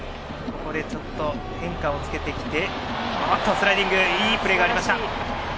スライディングいいプレーがありました。